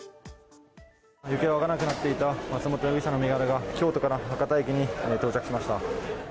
行方がわからなくなっていた松本容疑者の身柄が京都から博多駅に到着しました。